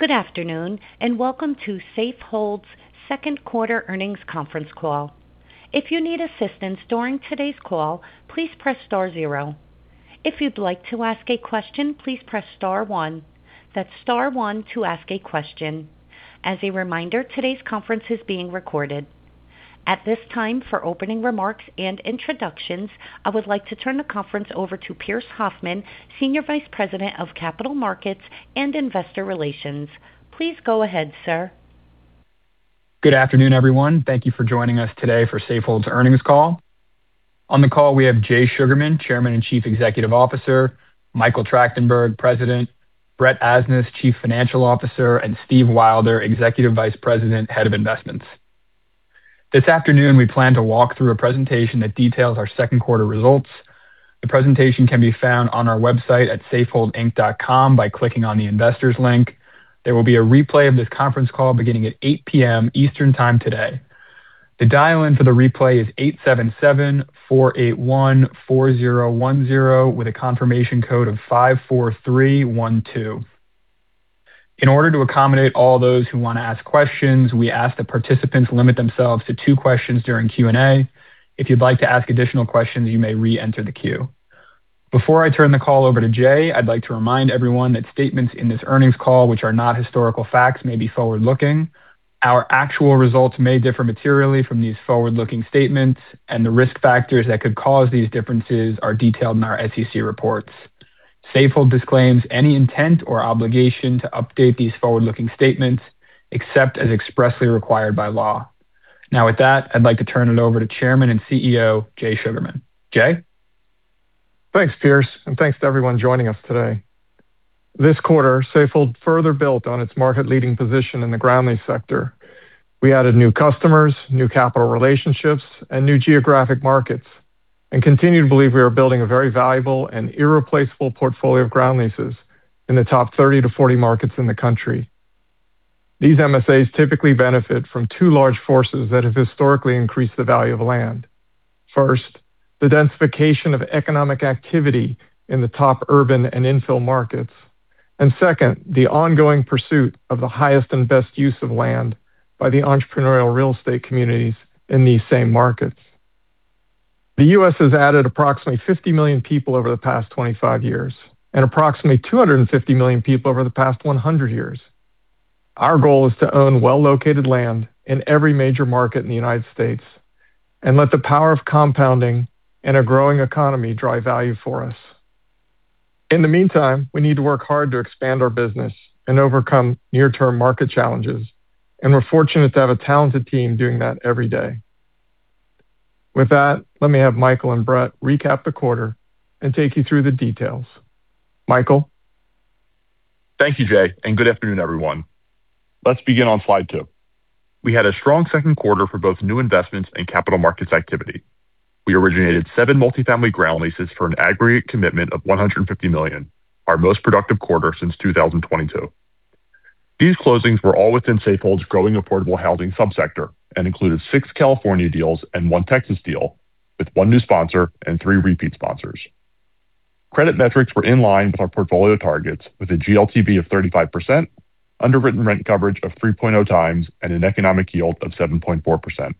Welcome to Safehold's Second Quarter Earnings Conference Call. If you need assistance during today's call, please press star zero. If you'd like to ask a question, please press star one. That's star one to ask a question. As a reminder, today's conference is being recorded. At this time, for opening remarks and introductions, I would like to turn the conference over to Pearse Hoffmann, Senior Vice President of Capital Markets and Investor Relations. Please go ahead, sir. Good afternoon, everyone. Thank you for joining us today for Safehold's earnings call. On the call, we have Jay Sugarman, Chairman and Chief Executive Officer, Michael Trachtenberg, President, Brett Asnas, Chief Financial Officer, and Steve Wylder, Executive Vice President, Head of Investments. This afternoon, we plan to walk through a presentation that details our second quarter results. The presentation can be found on our website at safeholdinc.com by clicking on the investors link. There will be a replay of this conference call beginning at 8:00 P.M. Eastern Time today. The dial-in for the replay is 877-481-4010 with a confirmation code of 54312. In order to accommodate all those who want to ask questions, we ask that participants limit themselves to two questions during Q&A. If you'd like to ask additional questions, you may re-enter the queue. Before I turn the call over to Jay, I'd like to remind everyone that statements in this earnings call which are not historical facts may be forward-looking. Our actual results may differ materially from these forward-looking statements, and the risk factors that could cause these differences are detailed in our SEC reports. Safehold disclaims any intent or obligation to update these forward-looking statements except as expressly required by law. With that, I'd like to turn it over to Chairman and CEO, Jay Sugarman. Jay? Thanks, Pearse, thanks to everyone joining us today. This quarter, Safehold further built on its market leading position in the ground lease sector. We added new customers, new capital relationships, and new geographic markets, and continue to believe we are building a very valuable and irreplaceable portfolio of ground leases in the top 30 to 40 markets in the country. These MSAs typically benefit from two large forces that have historically increased the value of land. First, the densification of economic activity in the top urban and infill markets. Second, the ongoing pursuit of the highest and best use of land by the entrepreneurial real estate communities in these same markets. The U.S. has added approximately 50 million people over the past 25 years, and approximately 250 million people over the past 100 years. Our goal is to own well-located land in every major market in the U.S., and let the power of compounding and a growing economy drive value for us. In the meantime, we need to work hard to expand our business and overcome near-term market challenges, we're fortunate to have a talented team doing that every day. With that, let me have Michael and Brett recap the quarter and take you through the details. Michael? Thank you, Jay, and good afternoon, everyone. Let's begin on slide 2. We had a strong second quarter for both new investments and capital markets activity. We originated seven multifamily ground leases for an aggregate commitment of $150 million, our most productive quarter since 2022. These closings were all within Safehold's growing affordable housing sub-sector and included six California deals and one Texas deal with one new sponsor and three repeat sponsors. Credit metrics were in line with our portfolio targets with a GLTV of 35%, underwritten rent coverage of 3.0 times, and an economic yield of 7.4%.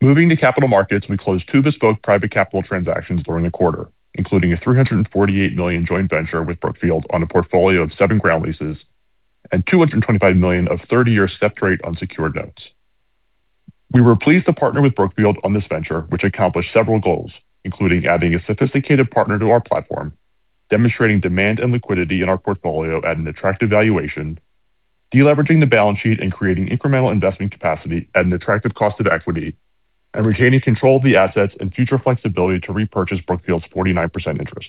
Moving to capital markets, we closed two bespoke private capital transactions during the quarter, including a $348 million joint venture with Brookfield on a portfolio of seven ground leases and $225 million of 30-year step-rate unsecured notes. We were pleased to partner with Brookfield on this venture, which accomplished several goals, including adding a sophisticated partner to our platform, demonstrating demand and liquidity in our portfolio at an attractive valuation, de-leveraging the balance sheet, creating incremental investment capacity at an attractive cost of equity, retaining control of the assets and future flexibility to repurchase Brookfield's 49% interest.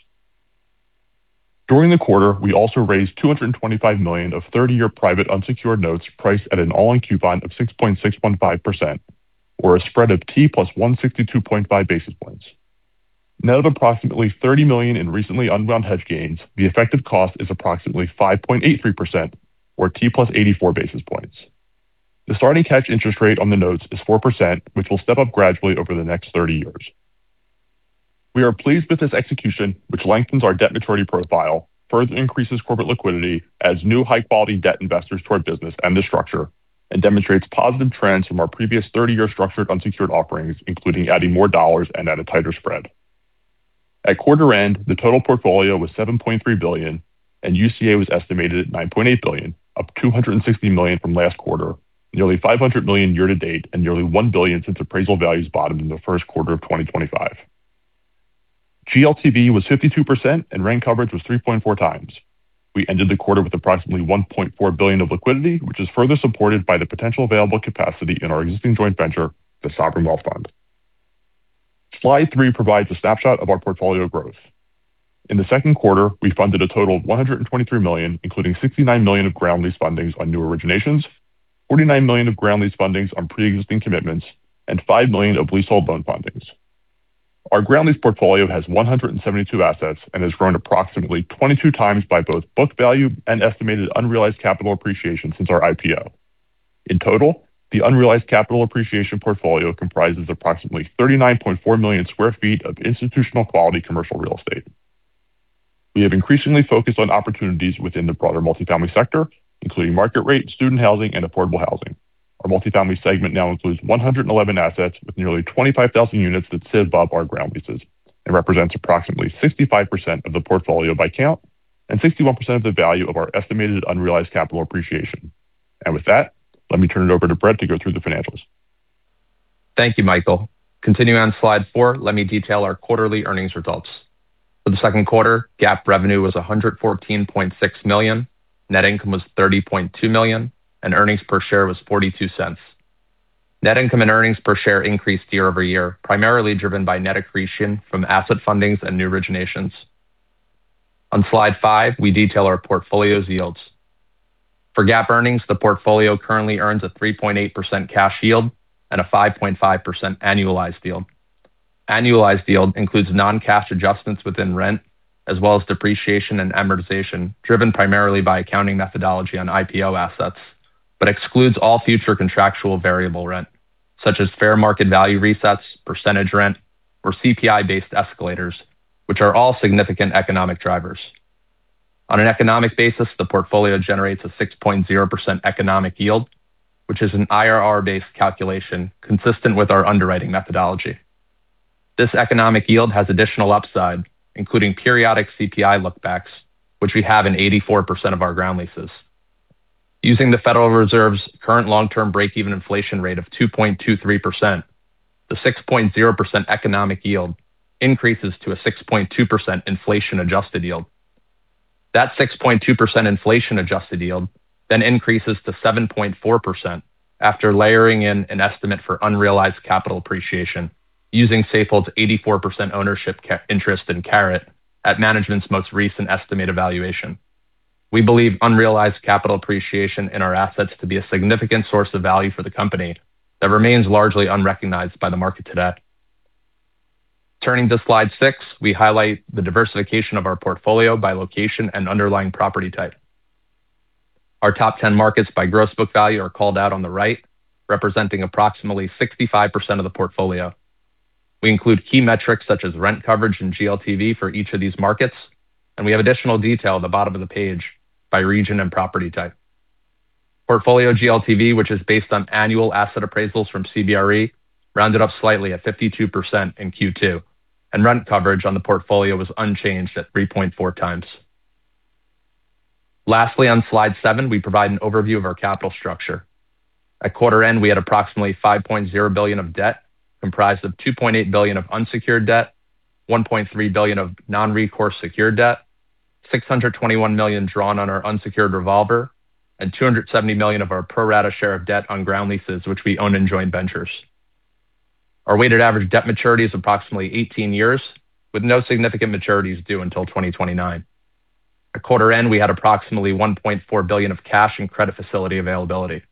During the quarter, we also raised $225 million of 30-year private unsecured notes priced at an all-in coupon of 6.615%, or a spread of T plus 162.5 basis points. Net approximately $30 million in recently unwound hedge gains, the effective cost is approximately 5.83%, or T plus 84 basis points. The starting catch interest rate on the notes is 4%, which will step up gradually over the next 30 years. We are pleased with this execution, which lengthens our debt maturity profile, further increases corporate liquidity as new high-quality debt investors to our business and the structure, demonstrates positive trends from our previous 30-year structured unsecured offerings, including adding more dollars and at a tighter spread. At quarter end, the total portfolio was $7.3 billion, and UCA was estimated at $9.8 billion, up $260 million from last quarter, nearly $500 million year to date, and nearly $1 billion since appraisal values bottomed in the first quarter of 2025. GLTV was 52% and rent coverage was 3.4 times. We ended the quarter with approximately $1.4 billion of liquidity, which is further supported by the potential available capacity in our existing joint venture, the Sovereign Wealth Fund. Slide 3 provides a snapshot of our portfolio growth. In the second quarter, we funded a total of $123 million, including $69 million of ground lease fundings on new originations, $49 million of ground lease fundings on pre-existing commitments, and $5 million of leasehold loan fundings. Our ground lease portfolio has 172 assets and has grown approximately 22 times by both book value and estimated unrealized capital appreciation since our IPO. In total, the unrealized capital appreciation portfolio comprises approximately 39.4 million square feet of institutional quality commercial real estate. We have increasingly focused on opportunities within the broader multifamily sector, including market rate, student housing and affordable housing. Our multifamily segment now includes 111 assets with nearly 25,000 units that sit above our ground leases and represents approximately 65% of the portfolio by count and 61% of the value of our estimated unrealized capital appreciation. With that, let me turn it over to Brett to go through the financials. Thank you, Michael. Continuing on slide four, let me detail our quarterly earnings results. For the second quarter, GAAP revenue was $114.6 million, net income was $30.2 million, and earnings per share was $0.42. Net income and earnings per share increased year-over-year, primarily driven by net accretion from asset fundings and new originations. On slide 5, we detail our portfolio's yields. For GAAP earnings, the portfolio currently earns a 3.8% cash yield and a 5.5% annualized yield. Annualized yield includes non-cash adjustments within rent, as well as depreciation and amortization, driven primarily by accounting methodology on IPO assets, but excludes all future contractual variable rent, such as fair market value resets, percentage rent, or CPI-based escalators, which are all significant economic drivers. On an economic basis, the portfolio generates a 6.0% economic yield, which is an IRR-based calculation consistent with our underwriting methodology. This economic yield has additional upside, including periodic CPI lookbacks, which we have in 84% of our ground leases. Using the Federal Reserve's current long-term break-even inflation rate of 2.23%, the 6.0% economic yield increases to a 6.2% inflation-adjusted yield. That 6.2% inflation-adjusted yield increases to 7.4% after layering in an estimate for unrealized capital appreciation using Safehold's 84% ownership interest in Caret at management's most recent estimated valuation. We believe unrealized capital appreciation in our assets to be a significant source of value for the company that remains largely unrecognized by the market today. Turning to slide 6, we highlight the diversification of our portfolio by location and underlying property type. Our top 10 markets by gross book value are called out on the right, representing approximately 65% of the portfolio. We include key metrics such as rent coverage and GLTV for each of these markets, and we have additional detail at the bottom of the page by region and property type. Portfolio GLTV, which is based on annual asset appraisals from CBRE, rounded up slightly at 52% in Q2, and rent coverage on the portfolio was unchanged at 3.4 times. Lastly, on slide 7, we provide an overview of our capital structure. At quarter end, we had approximately $5.0 billion of debt, comprised of $2.8 billion of unsecured debt, $1.3 billion of non-recourse secured debt, $621 million drawn on our unsecured revolver, and $270 million of our pro rata share of debt on ground leases, which we own in joint ventures. Our weighted average debt maturity is approximately 18 years, with no significant maturities due until 2029. At quarter end, we had approximately $1.4 billion of cash and credit facility availability.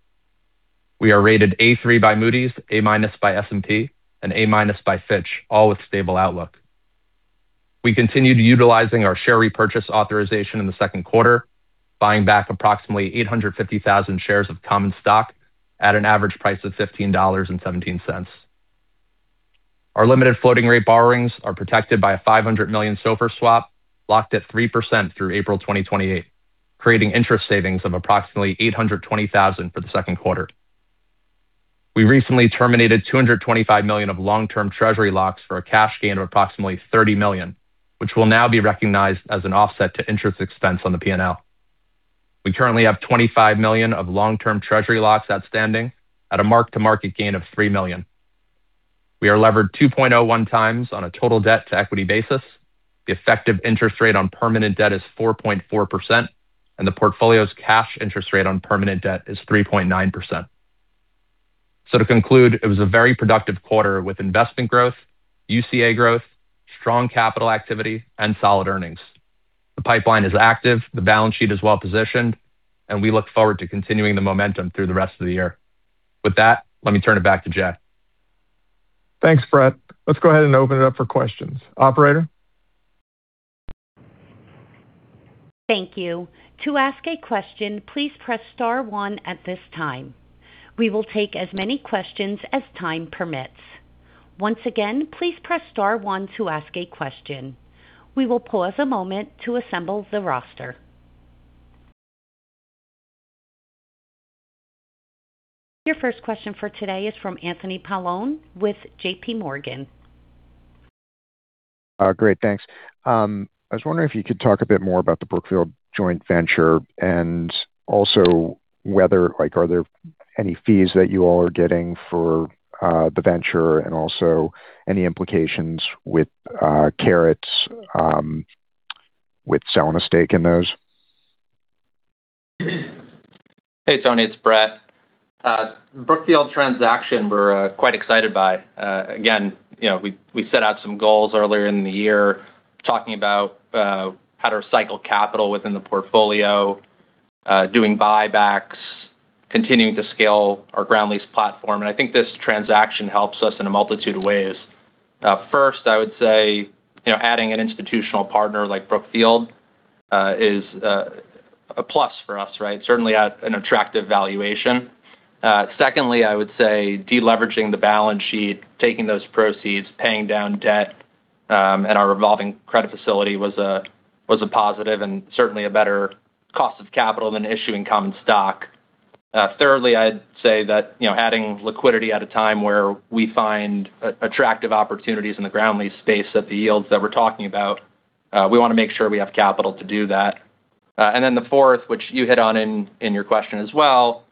We are rated A3 by Moody's, A- by S&P, and A- by Fitch, all with stable outlook. We continued utilizing our share repurchase authorization in the second quarter, buying back approximately 850,000 shares of common stock at an average price of $15.17. Our limited floating rate borrowings are protected by a $500 million SOFR swap locked at 3% through April 2028, creating interest savings of approximately $820,000 for the second quarter. We recently terminated $225 million of long term treasury locks for a cash gain of approximately $30 million, which will now be recognized as an offset to interest expense on the P&L. We currently have $25 million of long term treasury locks outstanding at a mark to market gain of $3 million. We are levered 2.01 times on a total debt to equity basis. The effective interest rate on permanent debt is 4.4%, and the portfolio's cash interest rate on permanent debt is 3.9%. To conclude, it was a very productive quarter with investment growth, UCA growth, strong capital activity and solid earnings. The pipeline is active, the balance sheet is well positioned, and we look forward to continuing the momentum through the rest of the year. With that, let me turn it back to Jay. Thanks, Brett. Let's go ahead and open it up for questions. Operator. Thank you. To ask a question, please press star one at this time. We will take as many questions as time permits. Once again, please press star one to ask a question. We will pause a moment to assemble the roster. Your first question for today is from Anthony Paolone with JPMorgan. Great. Thanks. I was wondering if you could talk a bit more about the Brookfield joint venture and also whether are there any fees that you all are getting for the venture and also any implications with Caret with selling a stake in those. Hey, Tony. It's Brett. Brookfield transaction, we're quite excited by. We set out some goals earlier in the year talking about how to recycle capital within the portfolio, doing buybacks, continuing to scale our ground lease platform. I think this transaction helps us in a multitude of ways. First, I would say, adding an institutional partner like Brookfield is a plus for us, right? Certainly at an attractive valuation. Secondly, I would say de-leveraging the balance sheet, taking those proceeds, paying down debt, and our revolving credit facility was a positive and certainly a better cost of capital than issuing common stock. Thirdly, I'd say that adding liquidity at a time where we find attractive opportunities in the ground lease space at the yields that we're talking about, we want to make sure we have capital to do that. Then the fourth, which you hit on in your question as well,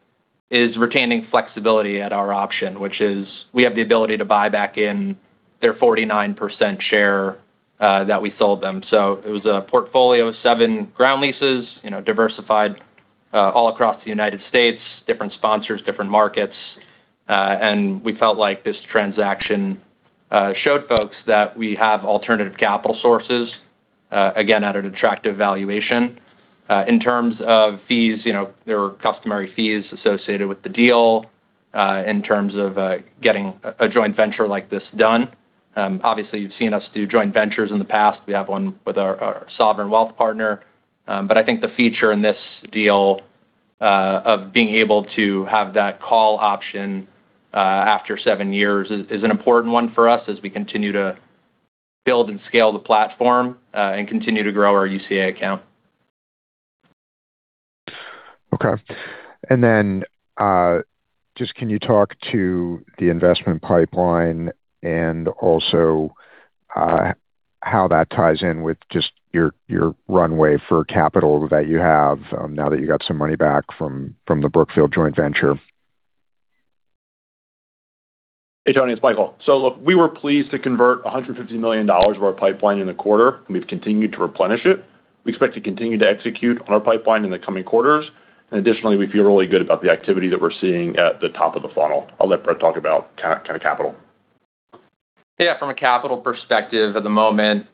is retaining flexibility at our option. Which is, we have the ability to buy back in their 49% share that we sold them. It was a portfolio of seven ground leases diversified all across the United States, different sponsors, different markets. We felt like this transaction showed folks that we have alternative capital sources, again, at an attractive valuation. In terms of fees, there were customary fees associated with the deal, in terms of getting a joint venture like this done. Obviously, you've seen us do joint ventures in the past. We have one with our sovereign wealth partner. I think the feature in this deal, of being able to have that call option after seven years, is an important one for us as we continue to build and scale the platform, and continue to grow our UCA account. Okay. Just can you talk to the investment pipeline and also how that ties in with just your runway for capital that you have now that you got some money back from the Brookfield joint venture? Hey, Tony, it's Michael. We were pleased to convert $150 million of our pipeline in the quarter, and we've continued to replenish it. We expect to continue to execute on our pipeline in the coming quarters. Additionally, we feel really good about the activity that we're seeing at the top of the funnel. I'll let Brett talk about kind of capital. From a capital perspective at the moment,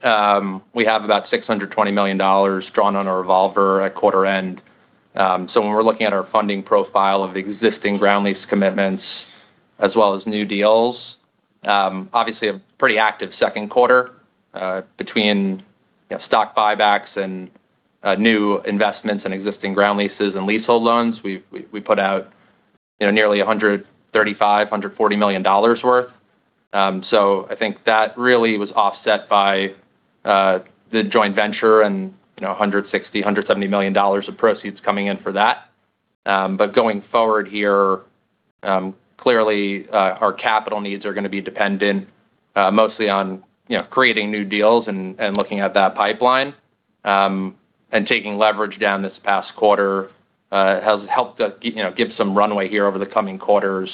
we have about $620 million drawn on our revolver at quarter end. When we're looking at our funding profile of existing ground lease commitments as well as new deals, obviously, a pretty active second quarter, between stock buybacks and new investments in existing ground leases and leasehold loans. We put out nearly $135 million-$140 million worth. I think that really was offset by the joint venture and $160 million-$170 million of proceeds coming in for that. Going forward here, clearly, our capital needs are going to be dependent mostly on creating new deals and looking at that pipeline. Taking leverage down this past quarter has helped us give some runway here over the coming quarters,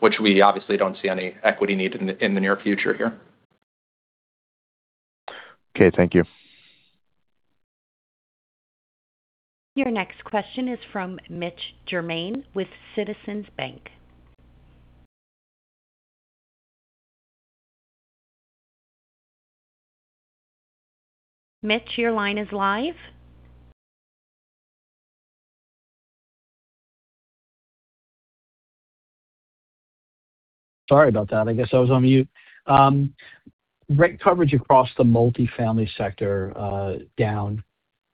which we obviously don't see any equity need in the near future here. Okay. Thank you. Your next question is from Mitch Germain with Citizens Bank. Mitch, your line is live. Sorry about that. I guess I was on mute. Rent coverage across the multifamily sector down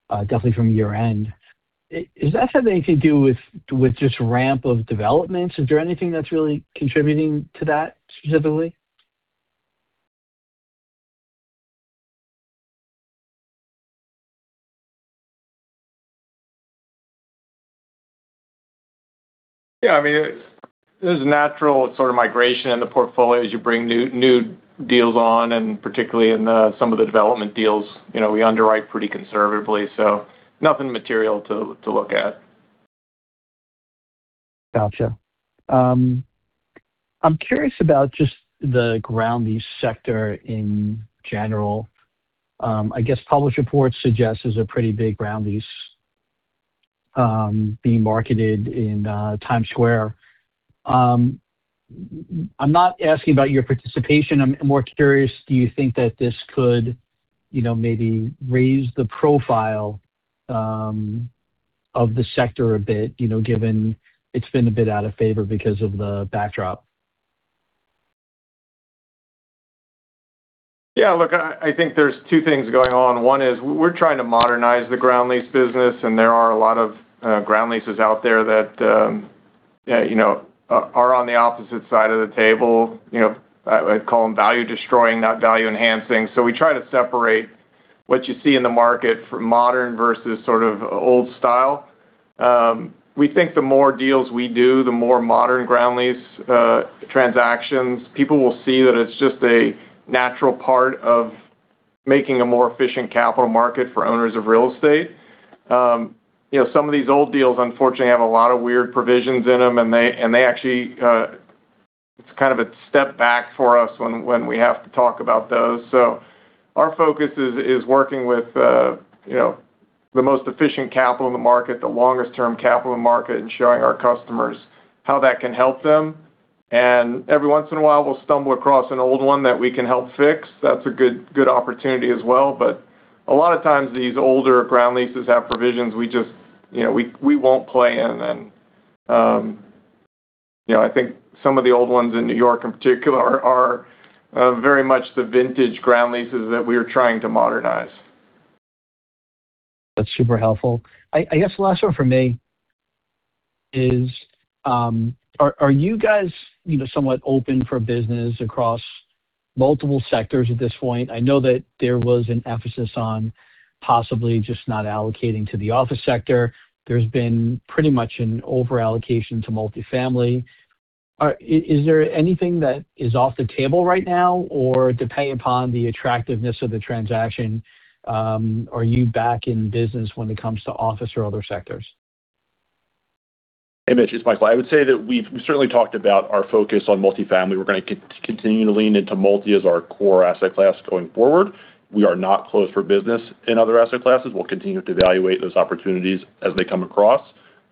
definitely from year-end. Is that something to do with just ramp of developments? Is there anything that's really contributing to that specifically? Yeah. There's a natural sort of migration in the portfolio as you bring new deals on, and particularly in some of the development deals. We underwrite pretty conservatively, so nothing material to look at. Got you. I'm curious about just the ground lease sector in general. I guess published reports suggest there's a pretty big ground lease being marketed in Times Square. I'm not asking about your participation. I'm more curious, do you think that this could maybe raise the profile of the sector a bit given it's been a bit out of favor because of the backdrop? Yeah, look, I think there's two things going on. One is we're trying to modernize the ground lease business, and there are a lot of ground leases out there that are on the opposite side of the table. I call them value destroying, not value enhancing. We try to separate what you see in the market for modern versus sort of old style. We think the more deals we do, the more modern ground lease transactions, people will see that it's just a natural part of making a more efficient capital market for owners of real estate. Some of these old deals unfortunately have a lot of weird provisions in them. It's kind of a step back for us when we have to talk about those. Our focus is working with the most efficient capital in the market, the longest term capital in market, and showing our customers how that can help them. Every once in a while, we'll stumble across an old one that we can help fix. That's a good opportunity as well. A lot of times, these older ground leases have provisions we won't play in. I think some of the old ones in New York in particular are very much the vintage ground leases that we are trying to modernize. That's super helpful. I guess the last one from me is, are you guys somewhat open for business across multiple sectors at this point? I know that there was an emphasis on possibly just not allocating to the office sector. There's been pretty much an over-allocation to multi-family. Is there anything that is off the table right now? Or depending upon the attractiveness of the transaction, are you back in business when it comes to office or other sectors? Hey, Mitch, it's Michael. I would say that we've certainly talked about our focus on multi-family. We're going to continue to lean into multi as our core asset class going forward. We are not closed for business in other asset classes. We'll continue to evaluate those opportunities as they come across.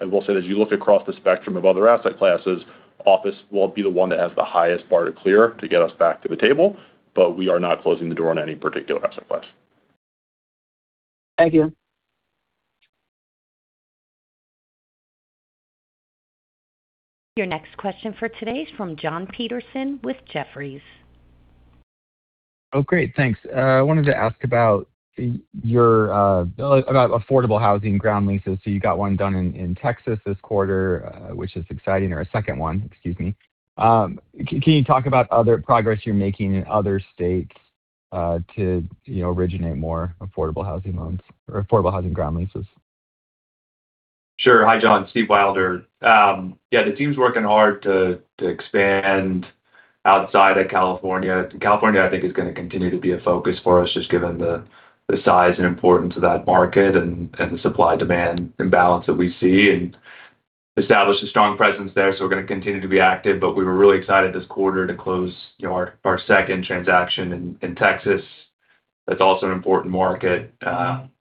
I will say that as you look across the spectrum of other asset classes, office won't be the one that has the highest bar to clear to get us back to the table, but we are not closing the door on any particular asset class. Thank you. Your next question for today is from Jon Petersen with Jefferies. Oh, great. Thanks. I wanted to ask about affordable housing ground leases. You got one done in Texas this quarter, which is exciting, or a second one, excuse me. Can you talk about other progress you're making in other states to originate more affordable housing loans or affordable housing ground leases? Sure. Hi, Jon. Steve Wylder. The team's working hard to expand outside of California. California, I think, is going to continue to be a focus for us, just given the size and importance of that market and the supply-demand imbalance that we see, and establish a strong presence there. We're going to continue to be active, but we were really excited this quarter to close our second transaction in Texas. That's also an important market,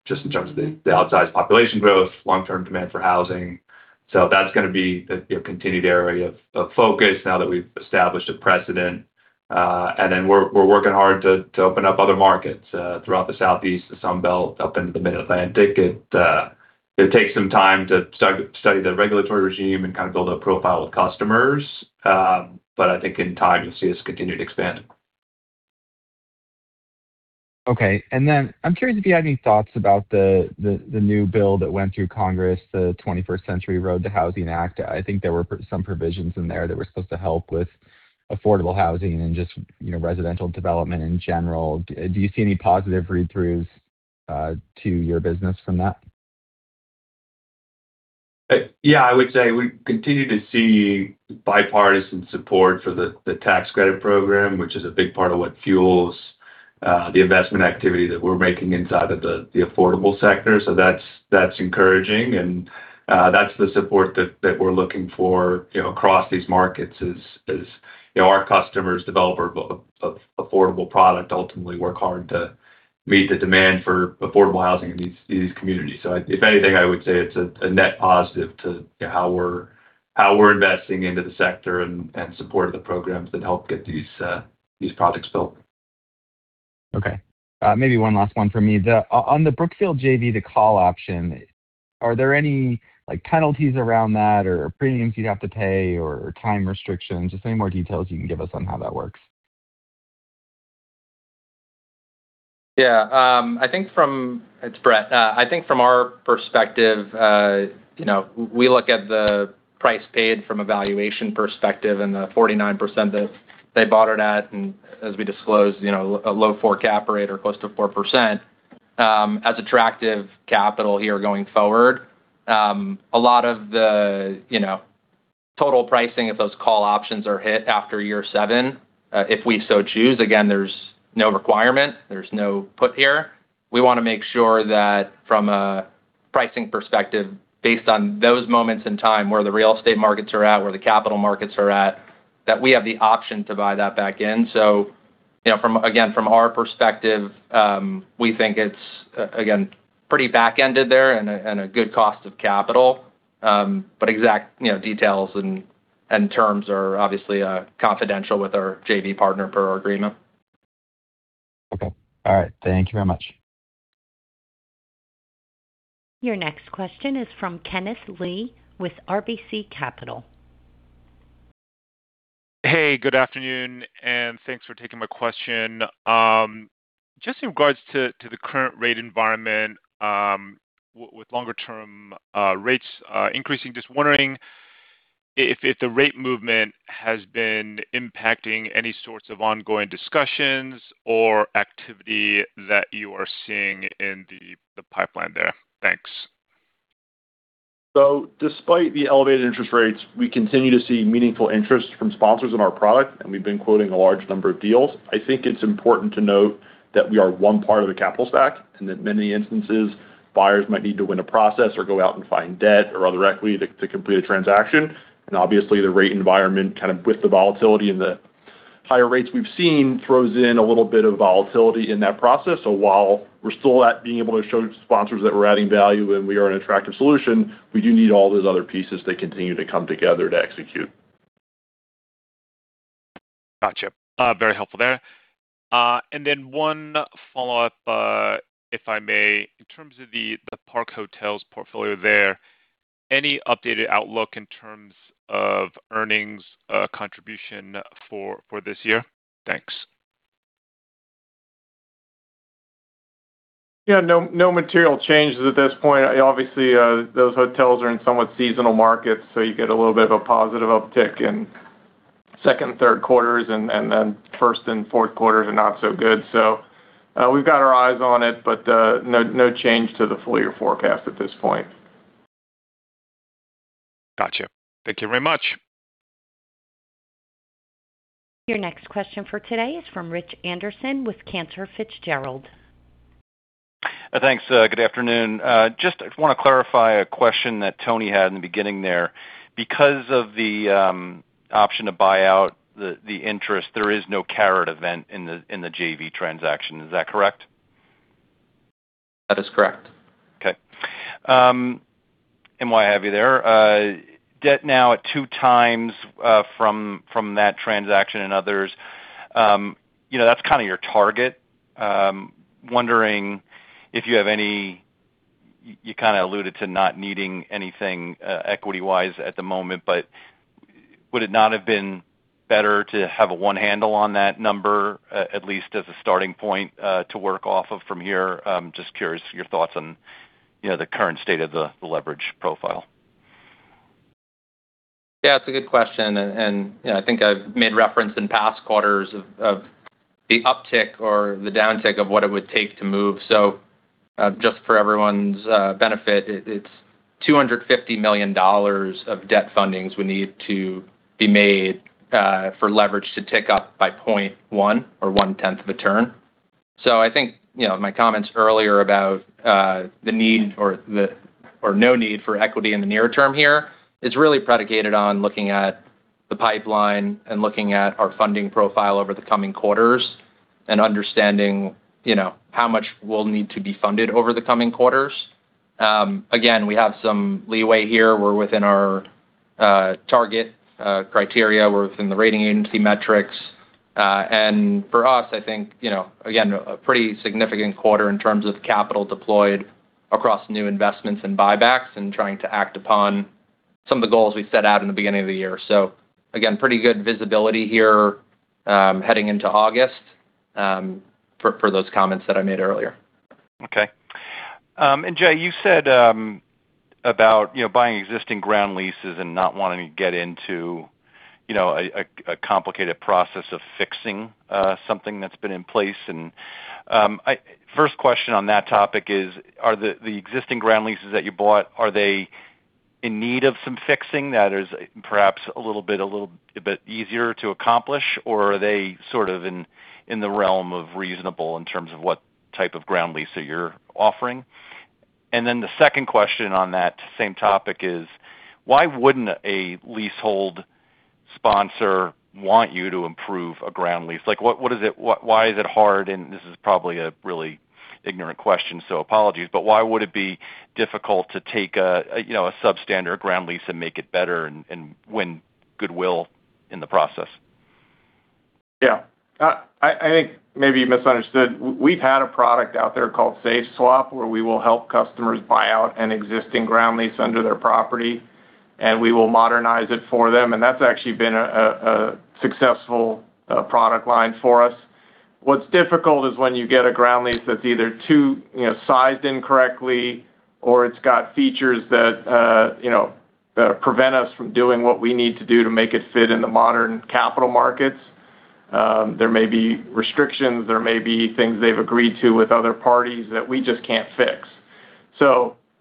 just in terms of the outsized population growth, long-term demand for housing. That's going to be a continued area of focus now that we've established a precedent. We're working hard to open up other markets throughout the Southeast, the Sun Belt, up into the Mid-Atlantic. It takes some time to study the regulatory regime and build a profile with customers. I think in time, you'll see us continue to expand. Okay. I'm curious if you have any thoughts about the new bill that went through Congress, the 21st Century ROAD to Housing Act. I think there were some provisions in there that were supposed to help with affordable housing and just residential development in general. Do you see any positive read-throughs to your business from that? I would say we continue to see bipartisan support for the tax credit program, which is a big part of what fuels the investment activity that we're making inside of the affordable sector. That's encouraging, and that's the support that we're looking for across these markets as our customers develop affordable product, ultimately work hard to meet the demand for affordable housing in these communities. If anything, I would say it's a net positive to how we're investing into the sector and support of the programs that help get these projects built. Okay. Maybe one last one for me. On the Brookfield JV, the call option, are there any penalties around that or premiums you'd have to pay or time restrictions? Just any more details you can give us on how that works. Yeah. It's Brett. I think from our perspective, we look at the price paid from a valuation perspective and the 49% that they bought it at, and as we disclosed, a low four cap rate or close to 4%, as attractive capital here going forward. A lot of the total pricing of those call options are hit after year seven, if we so choose. Again, there's no requirement. There's no put here. We want to make sure that from a pricing perspective, based on those moments in time where the real estate markets are at, where the capital markets are at, that we have the option to buy that back in. Again, from our perspective, we think it's, again, pretty back-ended there and a good cost of capital. Exact details and terms are obviously confidential with our JV partner per our agreement. Okay. All right. Thank you very much. Your next question is from Kenneth Lee with RBC Capital. Hey, good afternoon, and thanks for taking my question. Just in regards to the current rate environment with longer term rates increasing, just wondering if the rate movement has been impacting any sorts of ongoing discussions or activity that you are seeing in the pipeline there. Thanks. Despite the elevated interest rates, we continue to see meaningful interest from sponsors in our product, and we've been quoting a large number of deals. I think it's important to note that we are one part of the capital stack, and that many instances, buyers might need to win a process or go out and find debt or other equity to complete a transaction. Obviously, the rate environment with the volatility and the higher rates we've seen throws in a little bit of volatility in that process. While we're still at being able to show sponsors that we're adding value and we are an attractive solution, we do need all those other pieces to continue to come together to execute. Gotcha. Very helpful there. One follow-up, if I may. In terms of the Park Hotels portfolio there, any updated outlook in terms of earnings contribution for this year? Thanks. No material changes at this point. Obviously, those hotels are in somewhat seasonal markets, so you get a little bit of a positive uptick in second and third quarters, and then first and fourth quarters are not so good. We've got our eyes on it, but no change to the full year forecast at this point. Got you. Thank you very much. Your next question for today is from Rich Anderson with Cantor Fitzgerald. Thanks. Good afternoon. Just want to clarify a question that Tony had in the beginning there. Because of the option to buy out the interest, there is no Caret event in the JV transaction, is that correct? That is correct. Okay. While I have you there, debt now at two times from that transaction and others, that's kind of your target. Wondering if you have any. You kind of alluded to not needing anything equity-wise at the moment, but would it not have been better to have a one handle on that number, at least as a starting point to work off of from here? Just curious your thoughts on the current state of the leverage profile. Yeah, it's a good question. I think I've made reference in past quarters of the uptick or the downtick of what it would take to move. Just for everyone's benefit, it's $250 million of debt fundings we need to be made for leverage to tick up by 0.1 or one-tenth of a turn. I think my comments earlier about the need or no need for equity in the near term here is really predicated on looking at the pipeline and looking at our funding profile over the coming quarters and understanding how much will need to be funded over the coming quarters. Again, we have some leeway here. We're within our target criteria. We're within the rating agency metrics. For us, I think, again, a pretty significant quarter in terms of capital deployed across new investments and buybacks and trying to act upon some of the goals we set out in the beginning of the year. Again, pretty good visibility here heading into August for those comments that I made earlier. Okay. Jay, you said about buying existing ground leases and not wanting to get into a complicated process of fixing something that's been in place. First question on that topic is, are the existing ground leases that you bought, are they in need of some fixing that is perhaps a little bit easier to accomplish, or are they sort of in the realm of reasonable in terms of what type of ground lease that you're offering? The second question on that same topic is, why wouldn't a leasehold sponsor want you to improve a ground lease? Why is it hard? This is probably a really ignorant question, so apologies, but why would it be difficult to take a substandard ground lease and make it better and win goodwill in the process? I think maybe you misunderstood. We've had a product out there called SAFE x SWAP, where we will help customers buy out an existing ground lease under their property, and we will modernize it for them, and that's actually been a successful product line for us. What's difficult is when you get a ground lease that's either too sized incorrectly or it's got features that prevent us from doing what we need to do to make it fit in the modern capital markets. There may be restrictions, there may be things they've agreed to with other parties that we just can't fix.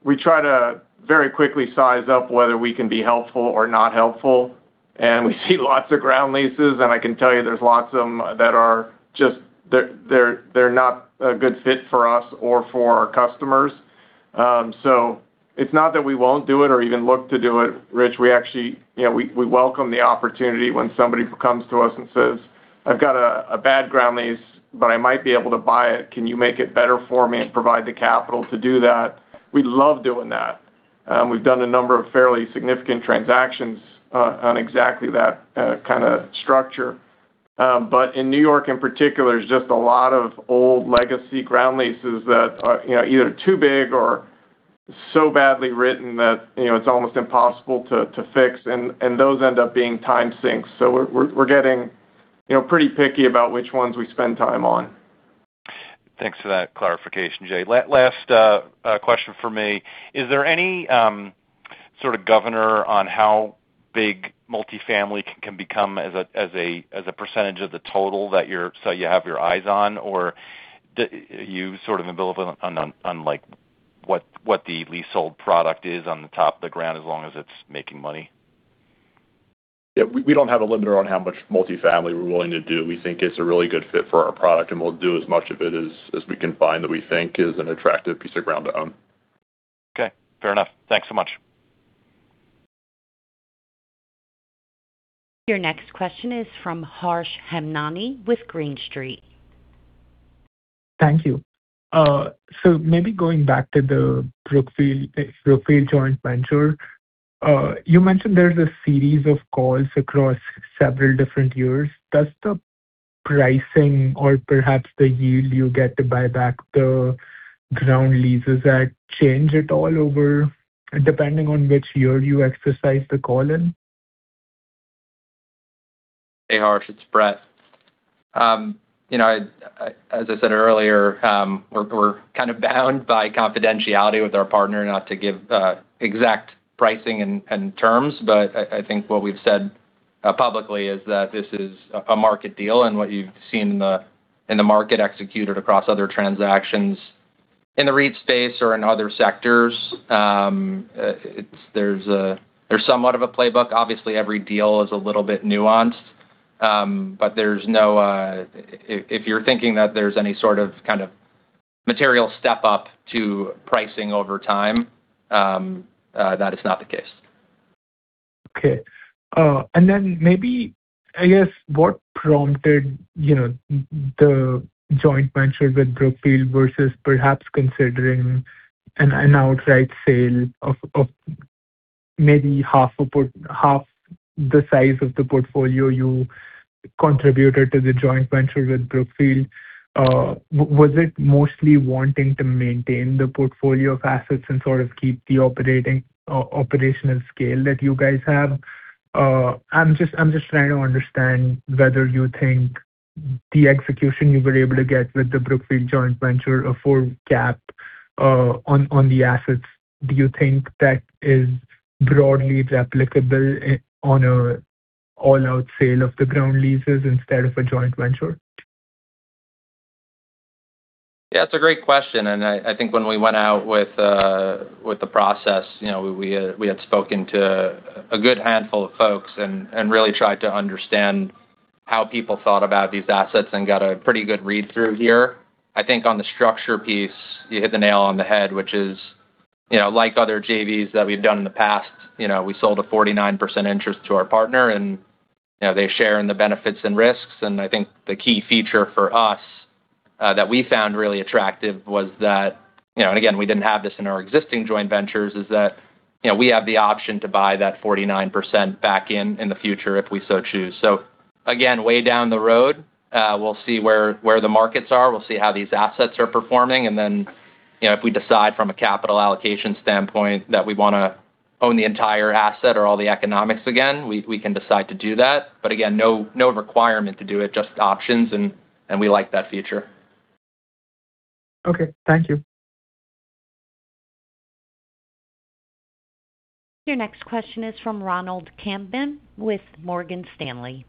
We try to very quickly size up whether we can be helpful or not helpful, and we see lots of ground leases, and I can tell you there's lots of them that are just not a good fit for us or for our customers. It's not that we won't do it or even look to do it, Rich. We welcome the opportunity when somebody comes to us and says, "I've got a bad ground lease, but I might be able to buy it. Can you make it better for me and provide the capital to do that?" We love doing that. We've done a number of fairly significant transactions on exactly that kind of structure. In New York in particular, there's just a lot of old legacy ground leases that are either too big or so badly written that it's almost impossible to fix, and those end up being time sinks. We're getting pretty picky about which ones we spend time on. Thanks for that clarification, Jay. Last question from me. Is there any sort of governor on how big multifamily can become as a percentage of the total that you have your eyes on? Are you sort of ambivalent on what the leasehold product is on the top of the ground as long as it's making money? Yeah. We don't have a limiter on how much multifamily we're willing to do. We think it's a really good fit for our product, and we'll do as much of it as we can find that we think is an attractive piece of ground to own. Okay. Fair enough. Thanks so much. Your next question is from Harsh Hemnani with Green Street. Thank you. Maybe going back to the Brookfield joint venture. You mentioned there's a series of calls across several different years. Does the pricing or perhaps the yield you get to buy back the ground leases change at all over depending on which year you exercise the call in? Hey, Harsh. It's Brett. As I said earlier, we're kind of bound by confidentiality with our partner not to give exact pricing and terms. I think what we've said publicly is that this is a market deal, and what you've seen in the market executed across other transactions in the REIT space or in other sectors. There's somewhat of a playbook. Obviously, every deal is a little bit nuanced. If you're thinking that there's any sort of material step up to pricing over time, that is not the case. Okay. Then maybe, I guess, what prompted the joint venture with Brookfield versus perhaps considering an outright sale of maybe half the size of the portfolio you contributed to the joint venture with Brookfield? Was it mostly wanting to maintain the portfolio of assets and sort of keep the operational scale that you guys have? I'm just trying to understand whether you think the execution you were able to get with the Brookfield joint venture a full GAAP on the assets. Do you think that is broadly applicable on a all-out sale of the ground leases instead of a joint venture? Yeah, it's a great question. I think when we went out with the process, we had spoken to a good handful of folks and really tried to understand how people thought about these assets and got a pretty good read-through here. I think on the structure piece, you hit the nail on the head, which is like other JVs that we've done in the past, we sold a 49% interest to our partner. Now they share in the benefits and risks. I think the key feature for us, that we found really attractive was that, and again, we didn't have this in our existing joint ventures, is that we have the option to buy that 49% back in in the future if we so choose. Again, way down the road, we'll see where the markets are, we'll see how these assets are performing. Then if we decide from a capital allocation standpoint that we want to own the entire asset or all the economics again, we can decide to do that. Again, no requirement to do it, just options, and we like that feature. Okay. Thank you. Your next question is from Ronald Kamdem with Morgan Stanley.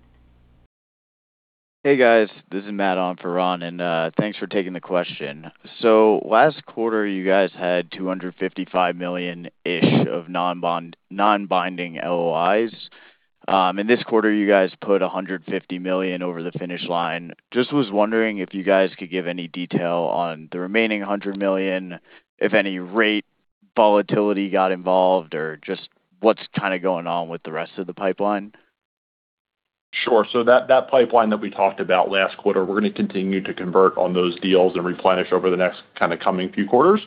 Hey, guys. This is Matt on for Ron, and thanks for taking the question. Last quarter, you guys had $255 million-ish of non-binding LOIs. In this quarter, you guys put $150 million over the finish line. Was wondering if you guys could give any detail on the remaining $100 million, if any rate volatility got involved or just what's kind of going on with the rest of the pipeline. Sure. That pipeline that we talked about last quarter, we're going to continue to convert on those deals and replenish over the next kind of coming few quarters.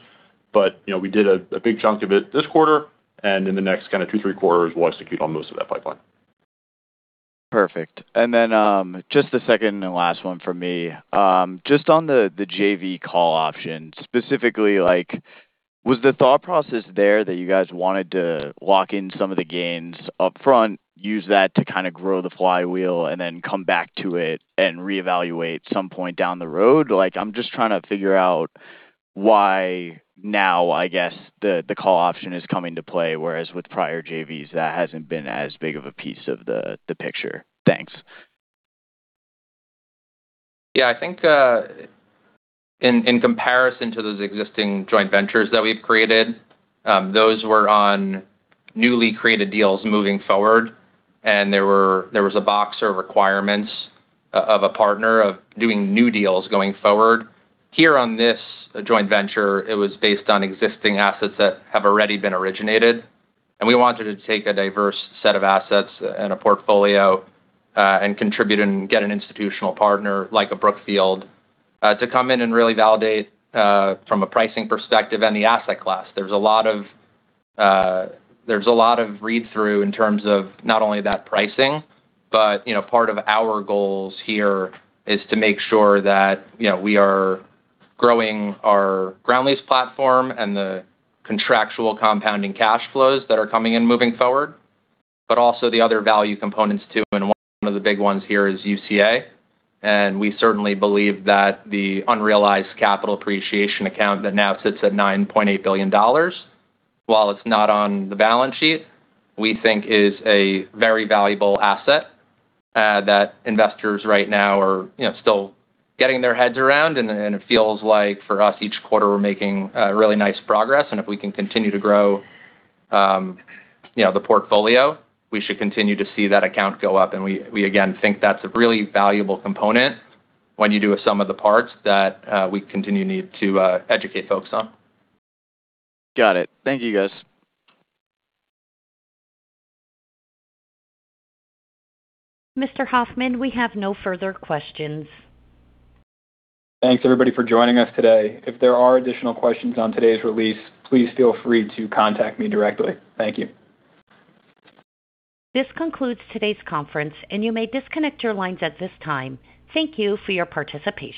We did a big chunk of it this quarter, and in the next kind of two, three quarters, we'll execute on most of that pipeline. Perfect. Then, just a second and last one from me. Just on the JV call option, specifically, was the thought process there that you guys wanted to lock in some of the gains up front, use that to kind of grow the flywheel, then come back to it and reevaluate some point down the road? I'm just trying to figure out why now, I guess, the call option is coming to play, whereas with prior JVs, that hasn't been as big of a piece of the picture. Thanks. Yeah, I think in comparison to those existing joint ventures that we've created, those were on newly created deals moving forward. There was a box or requirements of a partner of doing new deals going forward. Here on this joint venture, it was based on existing assets that have already been originated. We wanted to take a diverse set of assets and a portfolio, contribute and get an institutional partner like a Brookfield, to come in and really validate from a pricing perspective and the asset class. There's a lot of read-through in terms of not only that pricing, but part of our goals here is to make sure that we are growing our ground lease platform and the contractual compounding cash flows that are coming in moving forward, but also the other value components too. One of the big ones here is UCA. We certainly believe that the unrealized capital appreciation account that now sits at $9.8 billion. While it's not on the balance sheet, we think is a very valuable asset that investors right now are still getting their heads around. It feels like for us each quarter, we're making really nice progress. If we can continue to grow the portfolio, we should continue to see that account go up. We again, think that's a really valuable component when you do a sum of the parts that we continue need to educate folks on. Got it. Thank you, guys. Mr. Hoffmann, we have no further questions. Thanks everybody for joining us today. If there are additional questions on today's release, please feel free to contact me directly. Thank you. This concludes today's conference, and you may disconnect your lines at this time. Thank you for your participation.